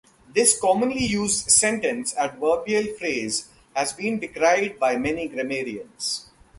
This commonly used sentence adverbial phrase has been decried by some grammarians.